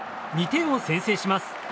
２点を先制します。